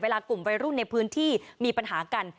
กลุ่มวัยรุ่นในพื้นที่มีปัญหากัน